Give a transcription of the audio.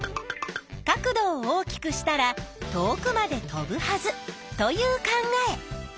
角度を大きくしたら遠くまで飛ぶはずという考え。